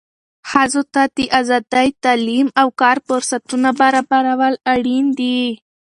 ښځو ته د آزادۍ، تعلیم او کار فرصتونه برابرول اړین دي.